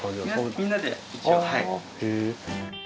みんなで一応はい。